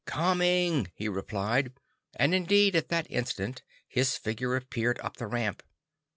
"Coming!" he replied, and indeed, at that instant, his figure appeared up the ramp.